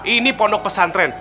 ini pondok pesantren